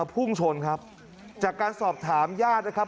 พุ่งชนครับจากการสอบถามญาตินะครับ